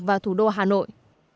và thủ đô hà nội